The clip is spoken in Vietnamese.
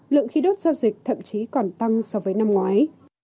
lượng khí đốt giao dịch thậm chí còn tăng so với năm ngoái